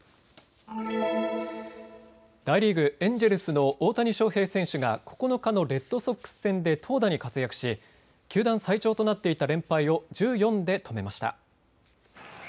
大リーグ、エンジェルスの大谷翔平選手が９日のレッドソックス戦で投打に活躍し球団最長となっていた連敗を１４で止めました。